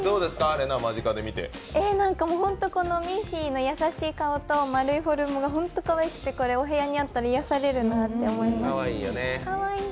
ミッフィーの優しい顔と丸いフォルムが本当にかわいくてお部屋にあったら癒やされるなと思います。